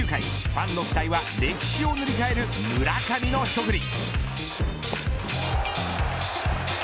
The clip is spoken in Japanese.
ファンの期待は歴史を塗り替える村上の一振り。